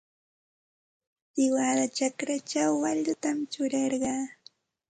Siwada chakrachaw waallutam churarqaa.